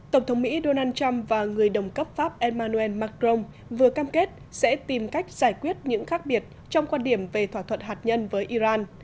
tổng thống mỹ donald trump và người đồng cấp pháp emmanuel macron vừa cam kết sẽ tìm cách giải quyết những khác biệt trong quan điểm về thỏa thuận hạt nhân với iran